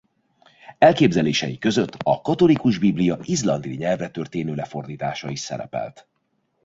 Elképzelései között a katolikus Biblia izlandi nyelvre történő lefordítása is szerepelt.